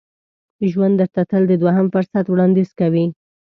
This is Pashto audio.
ژوند درته تل د دوهم فرصت وړاندیز کوي.